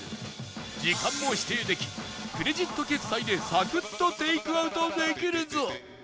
時間も指定できクレジット決済でサクッとテイクアウトできるぞ